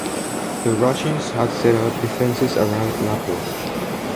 The Russians had set up defences around Lapua.